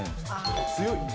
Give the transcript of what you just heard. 強い。